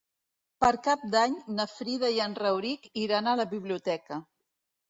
Per Cap d'Any na Frida i en Rauric iran a la biblioteca.